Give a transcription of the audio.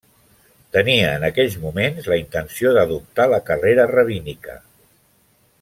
Tenia en aquells moments la intenció d'adoptar la carrera rabínica.